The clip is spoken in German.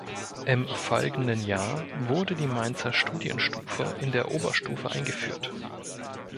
Im folgenden Jahr wurde die Mainzer Studienstufe in der Oberstufe eingeführt.